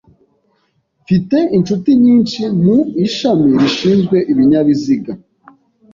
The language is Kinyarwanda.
Mfite inshuti nyinshi mu ishami rishinzwe ibinyabiziga.